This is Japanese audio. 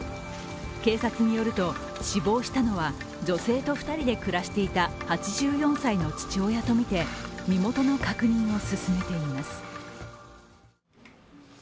警察によると、死亡したのは女性と２人で暮らしていた８４歳の父親とみて、身元の確認を進めています。